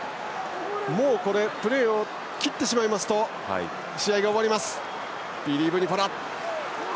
もう、プレーを切ってしまうと試合が終わります。